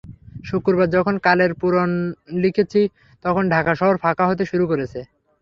শুক্রবার যখন কালের পুরাণ লিখছি, তখন ঢাকা শহর ফাঁকা হতে শুরু করেছে।